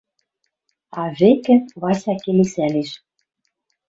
А вӹкӹ Вася келесӓлеш: